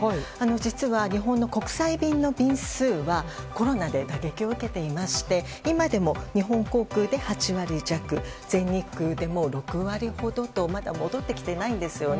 実は、日本の国際便の便数はコロナで打撃を受けていまして今でも日本航空で８割弱全日空でも６割ほどとまだ戻ってきていないんです。